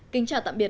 kính chào tạm biệt